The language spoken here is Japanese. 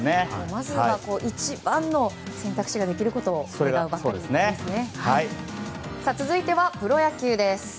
まずは一番の選択肢ができることを願うばかりですね。